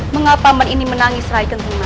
mengapa man ini menangis raikan semangat